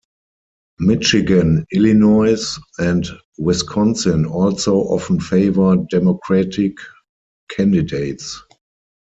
Michigan, Illinois, and Wisconsin also often favor Democratic candidates.